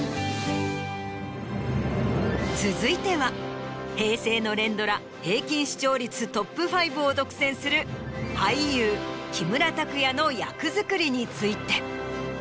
続いては平成の連ドラ平均視聴率トップ５を独占する俳優木村拓哉の役作りについて。